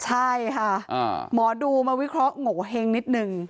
ใช่ค่ะหมอดูมาวิเคราะห์โงเห็งนิดนึง